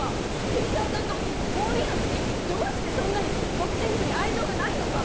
桐沢さんがＯＢなのにどうしてそんなにボクシング部に愛情がないのか！